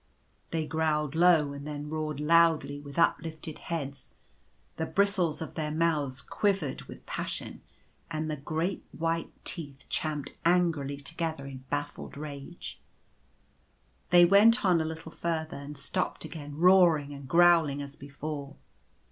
They growled low and then roared loudly with up lifted heads ; the bristles of their mouths quivered with passion, and the great white teeth champed angrily to gether in baffled rage. They went on a little further ; and stopped again roaring and growling as before.